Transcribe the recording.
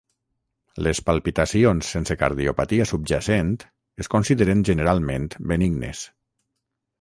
Les palpitacions sense cardiopatia subjacent es consideren generalment benignes.